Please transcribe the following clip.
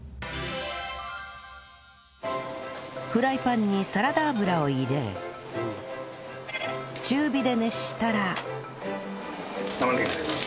フライパンにサラダ油を入れ中火で熱したら